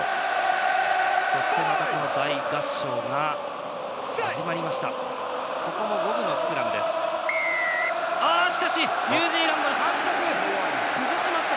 そしてまた大合唱が始まりました。